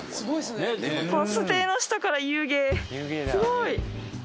バス停の下から湯気すごい！